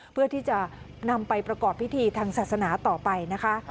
เพื่อที่จะนำไปประกอบพิธีทางศาสนาต่อไปนะคะ